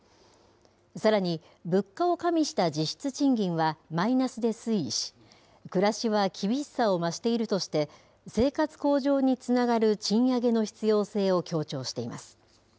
さらに物価を加味した実質賃金はマイナスで推移し、暮らしは厳しさを増しているとして、生活向上につながる賃上げの必要性を強調しています。